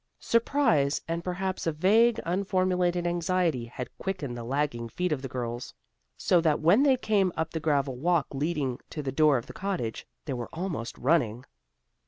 Surprise, and perhaps a vague, unformulated anxiety, had quickened the lagging feet of the girls, so that when they came up the gravel walk leading to the door of the cottage, they were almost running.